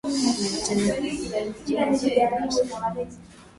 meli tano zilizovunjika mnamo aprili ishilini na moja